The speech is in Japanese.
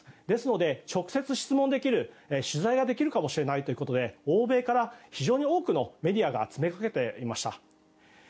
ですので、直接質問できる取材ができるかもしれないということで欧米から非常に多くのメディアが詰めかけていました。